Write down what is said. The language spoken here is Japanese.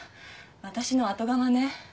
私の後釜ね